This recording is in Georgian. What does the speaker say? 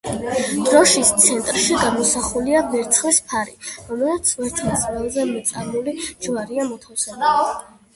დროშის ცენტრში გამოსახულია ვერცხლის ფარი, რომლის ვერცხლის ველზე მეწამული ჯვარია მოთავსებული.